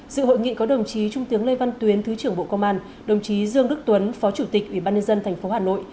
dự hội nghị có đồng chí trung tướng lê văn tuyến thứ trưởng bộ công an đồng chí dương đức tuấn phó chủ tịch ủy ban nhân dân tp hà nội